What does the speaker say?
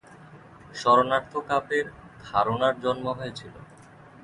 স্মরণার্থ কাপের ধারণার জন্ম হয়েছিল।